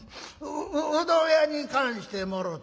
「ううどん屋に燗してもろた」。